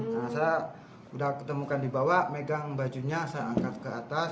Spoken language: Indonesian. karena saya sudah ketemukan di bawah megang bajunya saya angkat ke atas